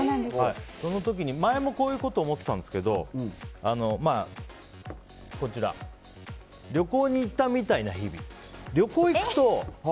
その時に、前もこういうこと思ってたんですけど旅行に行ったみたいな日々。